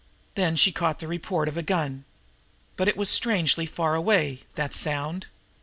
Then she caught the report of a gun. But it was strangely far away, that sound.